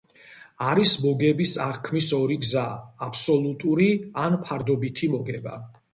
არის მოგების აღქმის ორი გზა: აბსოლუტური, ან ფარდობითი მოგება.